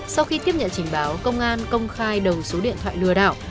sau khi tiếp nhận trình báo công an công khai đầu số điện thoại lừa đảo